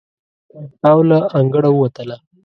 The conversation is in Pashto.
او له انګړه ووتله.